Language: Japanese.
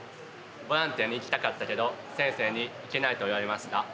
ボランティアに行きたかったけど先生に行けないと言われました。